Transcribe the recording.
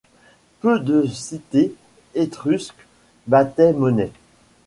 Peu de cités étrusques battaient monnaie.